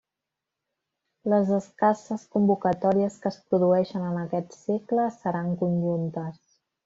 Les escasses convocatòries que es produeixen en aquest segle seran conjuntes.